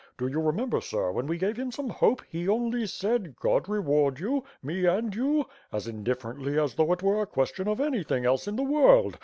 Do you remember, sir, when we gave him some hope, he only said *God reward you. Me and you!' as indifferently as though it were a question of any thing else in the world.